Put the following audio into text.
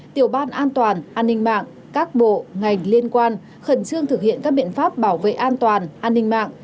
tiểu ban an toàn an ninh mạng các bộ ngành liên quan khẩn trương thực hiện các biện pháp bảo vệ an toàn an ninh mạng